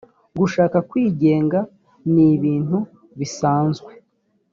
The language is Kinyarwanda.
gushaka kwigenga ni ibintu bisanzwe